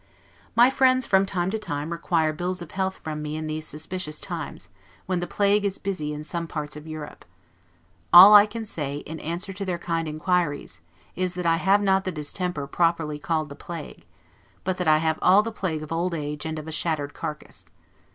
My friends from time to time require bills of health from me in these suspicious times, when the plague is busy in some parts of Europe. All I can say, in answer to their kind inquiries, is, that I have not the distemper properly called the plague; but that I have all the plague of old age and of a shattered carcass.